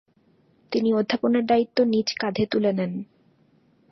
তিনি অধ্যাপনার দায়িত্ব নিজ কােঁধে তুলে নেন।